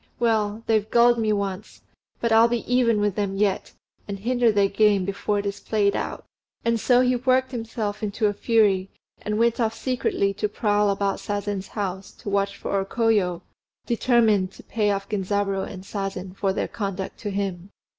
Well, they've gulled me once; but I'll be even with them yet, and hinder their game before it is played out!" And so he worked himself up into a fury, and went off secretly to prowl about Sazen's house to watch for O Koyo, determined to pay off Genzaburô and Sazen for their conduct to him.